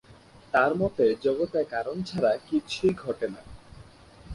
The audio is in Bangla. তার মতে, জগতে কারণ ছাড়া কিছুই ঘটে না।